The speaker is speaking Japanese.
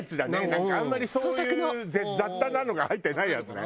なんかあんまりそういう雑多なのが入ってないやつね。